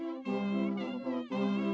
pertama suara dari biasusu